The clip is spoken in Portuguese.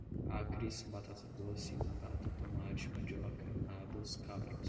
acres, batata-doce, batata, tomate, mandioca, nabos, cabras